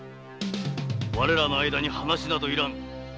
我らの間に話などいらぬ。